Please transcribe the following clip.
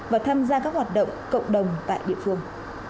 và tham gia các hoạt động cộng đồng